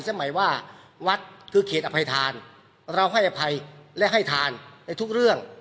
สมัยว่าวัดคือเขตอภัยธานเราให้อภัยและให้ทานในทุกเรื่อง